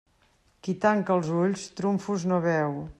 Qui tanca els ulls, trumfos no veu.